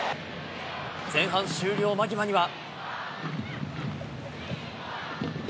前半終了間際には。